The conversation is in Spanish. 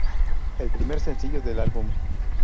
El primer sencillo del álbum.